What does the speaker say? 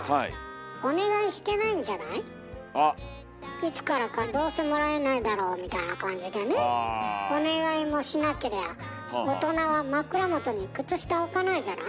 いつからか「どうせもらえないだろう」みたいな感じでねお願いもしなけりゃ大人は枕元に靴下置かないじゃない？